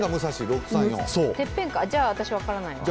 じゃ、私、分からないわ。